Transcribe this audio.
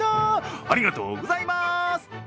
ありがとうございます！